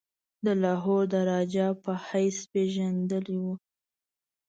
د لاهور د راجا په حیث پيژندلی وو.